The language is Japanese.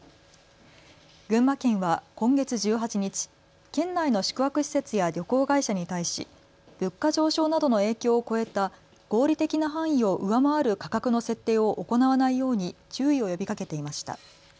群馬県は今月１８日、県内の宿泊施設や旅行会社に対し物価上昇などの影響を超えた合理的な範囲を上回る価格の設定を行わないように注意を呼びかけていました。